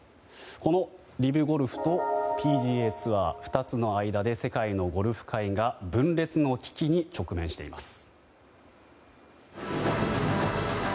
このリブゴルフとＰＧＡツアー２つの間で世界のゴルフ界が分裂の危機に直面しています。